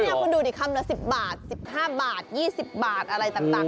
เนี้ยคุณดูดิคำละสิบบาทสิบห้าบาทยี่สิบบาทอะไรต่างต่าง